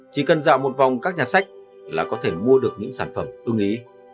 chỉ cần dạo một vòng các nhà sách là có thể mua được những sản phẩm tương ý